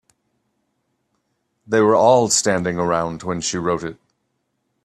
They were all standing around when she wrote it.